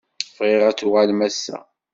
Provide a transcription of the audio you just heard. Bɣiɣ ad tuɣalem ass-a.